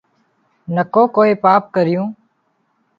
نڪو ڪوئي پاپ ڪرون